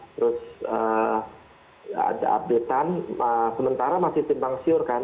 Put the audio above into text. terus ada update an sementara masih simpang siur kan